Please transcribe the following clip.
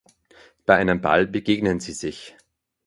Bei einem Ball begegnen sie sich.